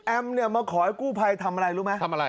แอมมาขอให้กู้ไพรทำอะไรรู้ไหม